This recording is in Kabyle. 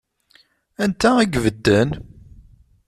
Anta i ibedden?